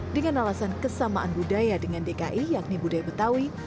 dengan alasan kesamaan budaya dengan dki yakni budaya betawi